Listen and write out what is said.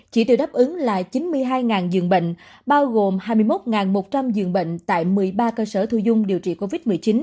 chỉ tiêu đáp ứng là chín mươi hai giường bệnh bao gồm hai mươi một một trăm linh giường bệnh tại một mươi ba cơ sở thu dung điều trị covid một mươi chín